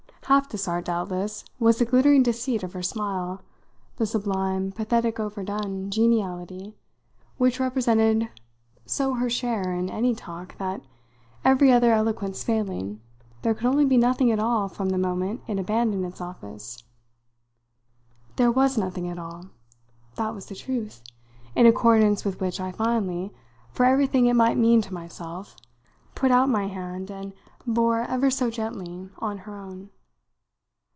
Half this art, doubtless, was the glittering deceit of her smile, the sublime, pathetic overdone geniality which represented so her share in any talk that, every other eloquence failing, there could only be nothing at all from the moment it abandoned its office. There was nothing at all. That was the truth; in accordance with which I finally for everything it might mean to myself put out my hand and bore ever so gently on her own.